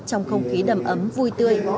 trong không khí đầm ấm vui tươi